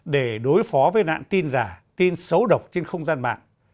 để đối phó với nạn tin giả tin xấu độc trên không gian mạng